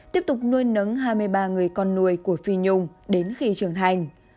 tiếp tục nuôi nấng hai mươi ba người con nuôi của phi nhung đến khi trưởng thành